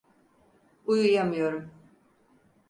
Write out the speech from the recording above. Uyuyamıyorum.